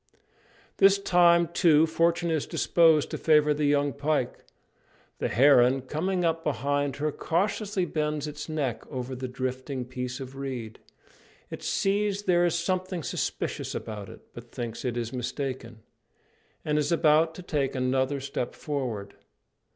This time, too, fortune is disposed to favour the young pike. The heron, coming up behind her, cautiously bends its neck over the drifting piece of reed. It sees there is something suspicious about it, but thinks it is mistaken, and is about to take another step forward.